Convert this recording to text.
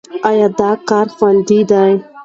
ایا دا کار خوندي دی؟